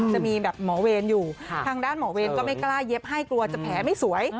จะมีแบบหมอเวรอยู่ทางด้านหมอเวรก็ไม่กล้าเย็บให้กลัวจะแผลไม่สวย